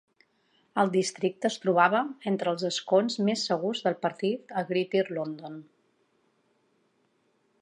El districte es trobava entre els escons més segurs del partit a Greater London.